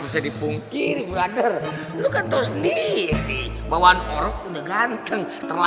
tidak ada yang ingin mencoba